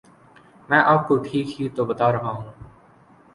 میں آپ کو ٹھیک ہی تو بتارہا ہوں